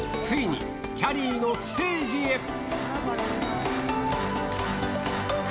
ついにきゃりーのステージへ。